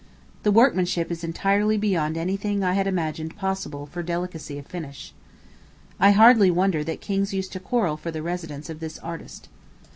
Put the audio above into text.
The workmanship is entirely beyond anything I had imagined possible for delicacy of finish. I hardly wonder that kings used to quarrel for the residence of this artist.